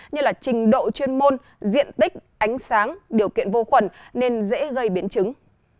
như trình độ chuyên môn diện tích ánh sáng điều kiện vô khuẩn nên dễ gây biến chứng